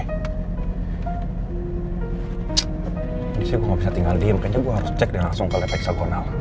ini sih gue gak bisa tinggal diem kayaknya gue harus cek dan langsung ke lepa heksagonal